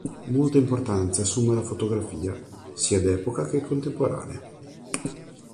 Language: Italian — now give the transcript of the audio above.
Molta importanza assume la fotografia, sia d’epoca che contemporanea.